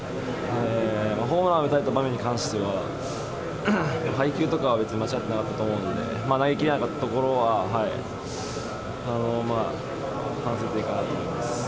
ホームランを打たれた場面に関しては、配球とかは別に間違ってなかったと思うんで、投げ切れなかったところは反省点かなと思います。